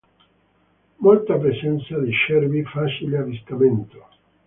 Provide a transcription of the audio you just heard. Molta presenza di cervi, facile avvistamento.